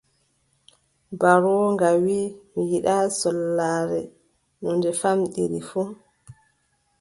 Mbarooga wii: mi yiɗaa sollaare no nde famɗiri fuu!».